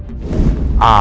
aku mau ke rumah